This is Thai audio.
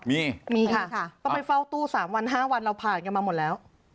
ต้องไปเฝ้าตู้๓วัน๕วันเราผ่านมาหมดแล้ว